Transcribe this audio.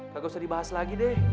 gak usah dibahas lagi deh